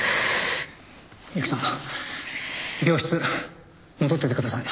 悠木さん病室戻っててください。